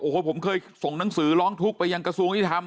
โอ้โหผมเคยส่งหนังสือร้องทุกข์ไปยังกระทรวงยุทธรรม